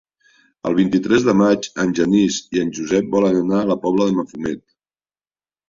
El vint-i-tres de maig en Genís i en Josep volen anar a la Pobla de Mafumet.